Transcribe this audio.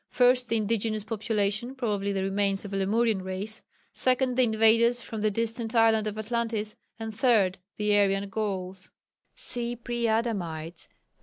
First, the indigenous population (probably the remains of a Lemurian race), second, the invaders from the distant island of Atlantis, and third, the Aryan Gauls (see Pre Adamites, p.